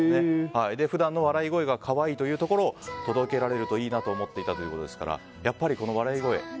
普段の笑い声が可愛いというところを届けられるといいなと思っていたということですからやっぱり、笑い声